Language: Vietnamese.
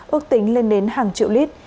ước tính lên đến hàng triệu lít